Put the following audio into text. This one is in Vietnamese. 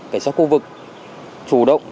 cảnh sát khu vực chủ động